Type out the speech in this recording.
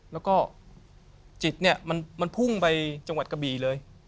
แล้วก็จิตเนี่ยมันพุ่งไปจังหวัดกะบี่เลย